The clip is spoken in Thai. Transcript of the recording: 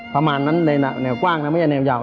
ประมาณนั้นในแนวกว้างนะไม่ใช่แนวยาว